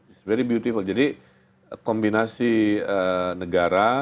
it's very beautiful jadi kombinasi negara